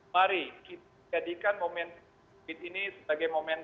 mari kita menjadikan momen covid sembilan belas ini sebagai momen